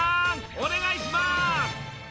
お願いします！